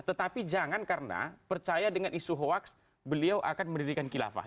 tetapi jangan karena percaya dengan isu hoax beliau akan mendirikan kilafah